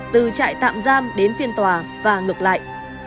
từ trại tạm giam đến phiên tòa và ngược lại